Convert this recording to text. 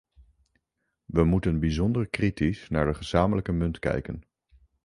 We moeten bijzonder kritisch naar de gezamenlijke munt kijken.